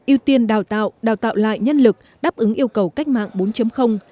ưu tiên đào tạo đào tạo lại nhân lực đáp ứng yêu cầu cách mạng bốn